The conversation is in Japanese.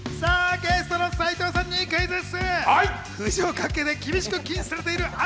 ゲストの斉藤さんにクイズッス。